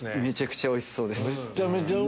めちゃくちゃおいしそうです。